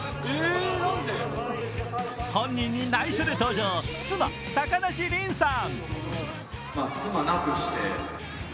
本人に内緒で登場、妻・高梨臨さん。